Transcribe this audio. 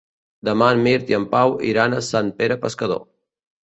Demà en Mirt i en Pau iran a Sant Pere Pescador.